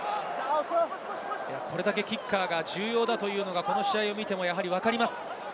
これだけキッカーが重要だというのがこの試合を見てもわかります。